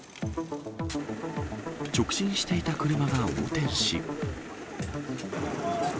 直進していた車が横転し。